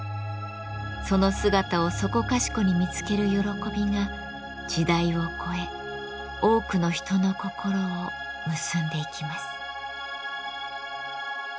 その姿をそこかしこに見つける喜びが時代を超え多くの人の心を結んでいきます。